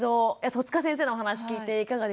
戸塚先生のお話聞いていかがですか？